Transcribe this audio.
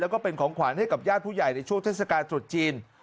แล้วก็เป็นของขวัญให้กับญาติผู้ใหญ่ในช่วงเทศกาลตรุษจีน